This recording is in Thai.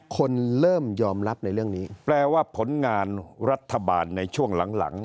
คนเริ่มยอมรับในเรื่องนี้แปลว่าผลงานรัฐบาลในช่วงหลัง